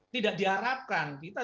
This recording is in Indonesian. kita tidak diharapkan untuk ada kegiatan